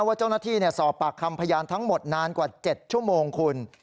ว่าเจ้าหน้าที่สอบปากคำพยานทั้งหมดนานกว่า๗ชั่วโมงคุณ